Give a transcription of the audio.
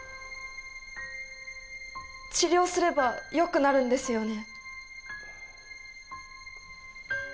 治療すればよくなるんですよね？